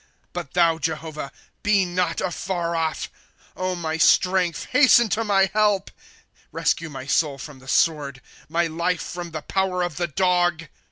" But thou, Jehovah, be not afar off; my strength, hasten to my help. ^" Rescue my soul from tbe sword. My life from the power of the dog.